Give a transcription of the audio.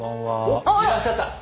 おっいらっしゃった。